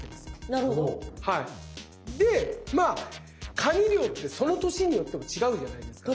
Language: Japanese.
なるほど。でカニ漁ってその年によっても違うじゃないですか。